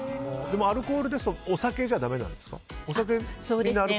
でもアルコールですとお酒じゃだめなんですか？